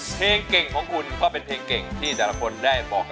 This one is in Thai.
ก็คงจะขอได้เอาแบบเคลียร์หน่อยนะสัก๒๐๐๐๐